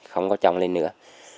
không có trông lên nữa